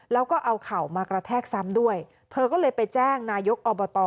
แล้วก็เอาเข่ามากระแทกซ้ำด้วยเธอก็เลยไปแจ้งนายกอบต